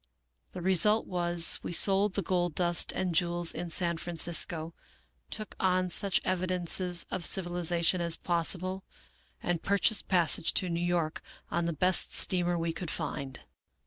The re sult was, we sold the gold dust and jewels in San Francisco, took on such evidences of civilization as possible, and pur chased passage to New York on the best steamer we could find.